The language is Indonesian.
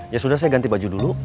ya sudah saya ganti baju dulu